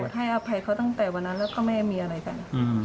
ให้อภัยเขาตั้งแต่วันนั้นแล้วก็ไม่ได้มีอะไรกัน